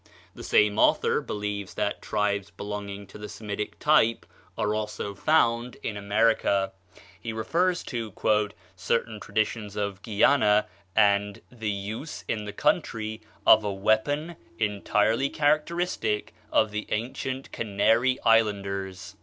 The same author believes that tribes belonging to the Semitic type are also found in America. He refers to "certain traditions of Guiana, and the use in the country of a weapon entirely characteristic of the ancient Canary Islanders."